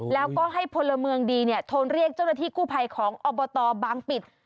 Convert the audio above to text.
แล้วก็ให้พลเมืองดีเนี่ยโทรเรียกเจ้าหน้าที่กู้ภัยของอบตบางปิด